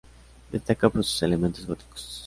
Destaca por sus elementos góticos.